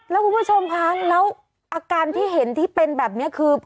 แล้วอาการที่เห็นที่เป็นแบบนี้คือ